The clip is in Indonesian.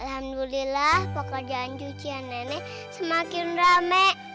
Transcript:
alhamdulillah pekerjaan cucian nenek semakin rame